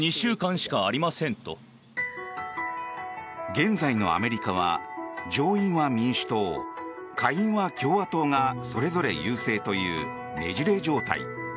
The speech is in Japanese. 現在のアメリカは上院は民主党、下院は共和党がそれぞれ優勢というねじれ状態。